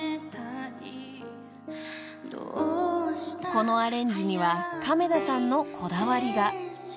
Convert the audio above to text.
［このアレンジには亀田さんのこだわりが］